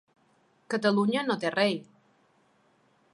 Catalunya no té rei.